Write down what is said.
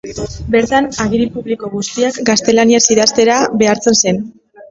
Bertan, agiri publiko guztiak gaztelaniaz idaztera behartzen zen.